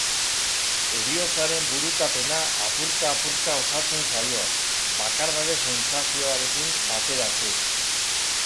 Heriotzaren burutapena apurka-apurka osatzen zaio, bakardade sentsazioarekin bateratsu.